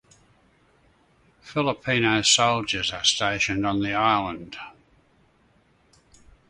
Filipino soldiers are stationed on the island.